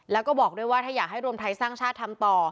แล้วก็บอกด้วยว่าถ้าอยากให้รวมไทยสร้างชาติทำต่อ